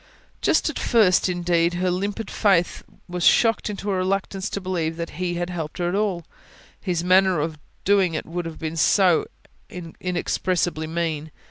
Just at first, indeed, her limpid faith was shocked into a reluctance to believe that He had helped her at all: His manner of doing it would have been so inexpressibly mean.